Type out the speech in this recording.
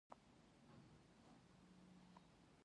پوستکی، پښتورګي او ینه دا مواد دفع کوي.